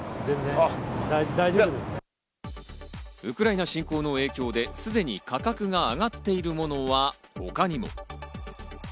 ウクライナ侵攻の影響で、すでに価格が上がっているものは他にも。